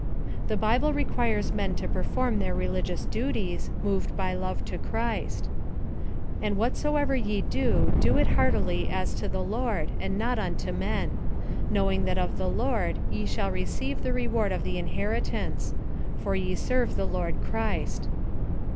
The bible requires men to perform their religious duties, moved by love to Christ :" And whatsoever ye do, do it heartily, as to the Lord, and not unto men ; knowing that of the Lord ye shall receive the re ward of the inheritance: for ye serve the Lord Christ."